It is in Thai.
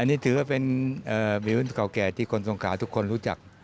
อันนี้ถือว่าเป็นวิวรุ่นเก่าแก่ที่คนสงขาทุกคนรู้จัก